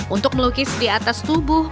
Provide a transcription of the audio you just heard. untuk melukis di atas tubuh